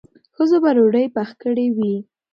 ښځو به ډوډۍ پخ کړې وي.